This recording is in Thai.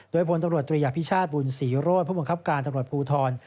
โดยพลตำรวจตรีอภิชาติบุญศรีโรธผู้บังคับการตำรวจภูทร